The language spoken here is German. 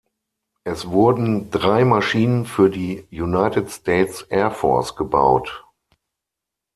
Es wurden drei Maschinen für die United States Air Force gebaut.